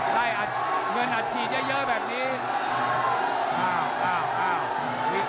ได้อัดเงินอัดฉีดเยอะแบบนี้